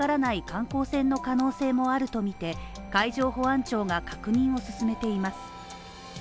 観光船の可能性もあるとみて海上保安庁が確認を進めています。